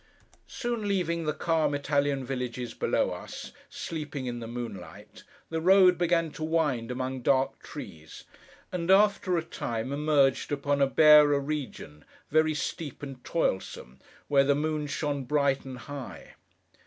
Soon leaving the calm Italian villages below us, sleeping in the moonlight, the road began to wind among dark trees, and after a time emerged upon a barer region, very steep and toilsome, where the moon shone bright and high.